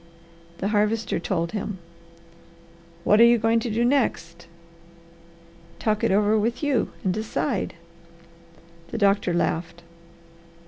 The Harvester told him. "What are you going to do next?" "Talk it over with you and decide." The doctor laughed.